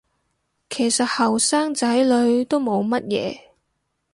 其實後生仔女都冇乜嘢